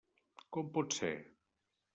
Com pot ser?